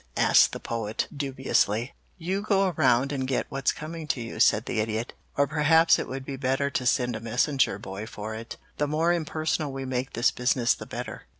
asked the Poet dubiously. "You go around and get what's coming to you," said the Idiot. "Or perhaps it would be better to send a messenger boy for it. The more impersonal we make this business the better."